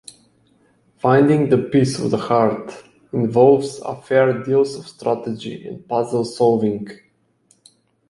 Finding the pieces of the heart involves a fair deal of strategy and puzzle-solving.